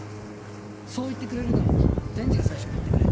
そう言ってくれるなら天智が最初に行ってくれ。